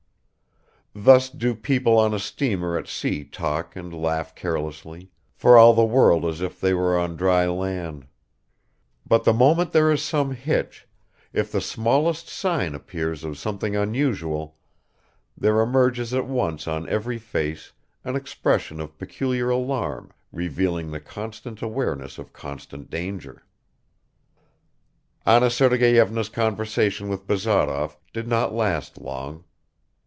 Thus do people on a steamer at sea talk and laugh carelessly, for all the world as if they were on dry land; but the moment there is some hitch, if the smallest sign appears of something unusual, there emerges at once on every face an expression of peculiar alarm, revealing the constant awareness of constant danger. Anna Sergeyevna's conversation with Bazarov did not last long.